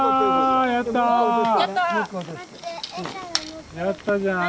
やったじゃん。